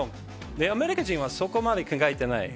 アメリカ人はそこまで考えてない。